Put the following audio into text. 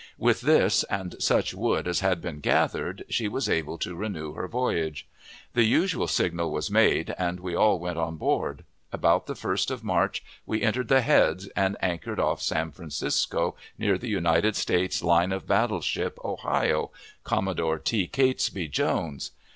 With this, and such wood as had been gathered, she was able to renew her voyage. The usual signal was made, and we all went on board. About the 1st of March we entered the Heads, and anchored off San Francisco, near the United States line of battle ship Ohio, Commodore T. Catesby Jones.